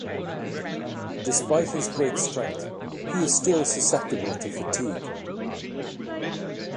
Despite his great strength, he is still susceptible to fatigue.